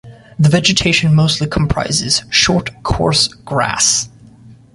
The vegetation mostly comprises short coarse grass.